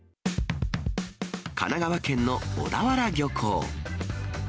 神奈川県の小田原漁港。